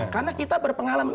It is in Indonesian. karena kita berpengalaman